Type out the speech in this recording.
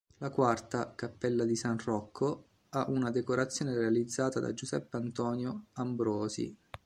La quarta, Cappella di S. Rocco, ha una decorazione realizzata da Giuseppe Antonio Ambrosi.